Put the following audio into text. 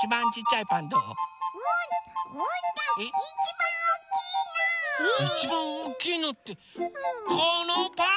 いちばんおおきいのってこのパン？